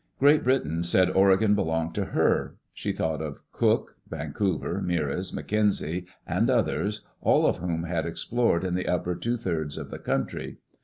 Great Britain said Oregon belonged to her. She thought of Cook, Vancouver, Meares, McKenzie, and others, all of whom had explored in the upper two thirds of the coun try.